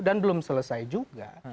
dan belum selesai juga